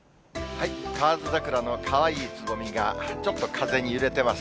河津桜のかわいいつぼみがちょっと風に揺れてます。